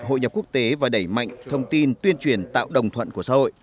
hội nhập quốc tế và đẩy mạnh thông tin tuyên truyền tạo đồng thuận của xã hội